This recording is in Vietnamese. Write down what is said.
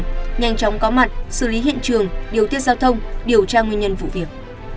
nhanh chóng có mặt xử lý hiện trường điều tiết giao thông điều tra nguyên nhân vụ việc